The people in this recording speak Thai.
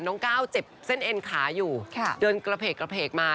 น้องก้าวเจ็บเส้นเอ็นขาอยู่เดินกระเพกมา